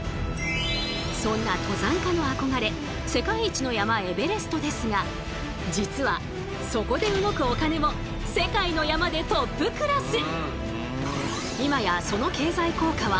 そんな登山家の憧れ世界一の山エベレストですが実はそこで動くお金も世界の山でトップクラス！